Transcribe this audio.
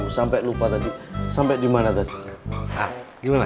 saya sedang berdialong dengan channel go'ib saya